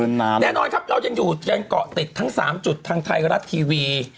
แน่นอนครับเรายังอยู่ยังเกาะติดทั้งสามจุดทางไทยรัฐทีวี